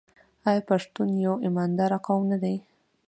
آیا پښتون یو ایماندار قوم نه دی؟